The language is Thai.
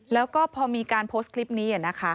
แล้วก็พอมีการโพสต์คลิปนี้นะคะ